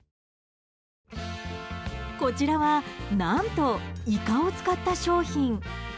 こちらは何とイカを使った商品。